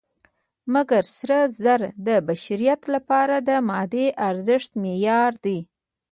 مګر سره زر د بشریت لپاره د مادي ارزښت معیار دی.